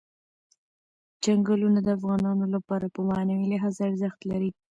چنګلونه د افغانانو لپاره په معنوي لحاظ ارزښت لري.